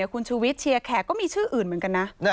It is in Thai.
คุณชูวิทเชียร์แขกก็มีชื่ออื่นเหมือนกันนะ